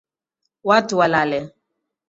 Watu walale.